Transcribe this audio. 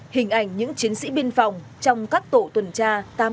hình ảnh những chiến sĩ biên phòng trong các tổ tuần tra tám nghìn ba trăm chín mươi sáu